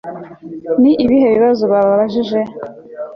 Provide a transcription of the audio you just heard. ni ibihe bibazo babajije